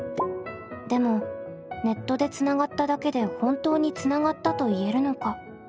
でもネットでつながっただけで本当につながったと言えるのか。